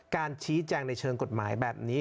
การชี้แจงในเชิงกฎหมายแบบนี้